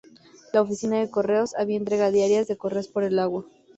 La oficina de correos había entrega diaria de correo por el agua.